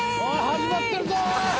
始まってるぞー！